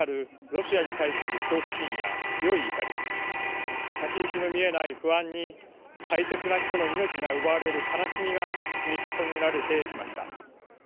ロシアに対する恐怖心や、強い怒り先行きの見えない不安に大切な人の命が奪われる悲しみが積み重ねられてきました。